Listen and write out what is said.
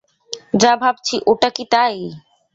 যা ভাবছি ওটা কি তাই?